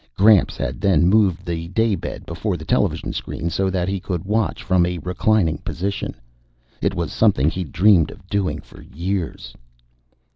Gramps had then moved the daybed before the television screen, so that he could watch from a reclining position. It was something he'd dreamed of doing for years.